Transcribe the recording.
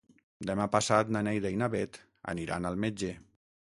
Demà passat na Neida i na Bet aniran al metge.